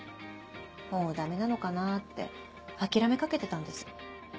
もうダメなのかなって諦めかけてたんです。